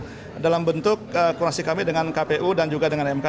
nah dalam bentuk kurasi kami dengan kpu dan juga dengan mk